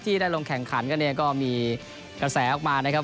ได้ลงแข่งขันกันเนี่ยก็มีกระแสออกมานะครับ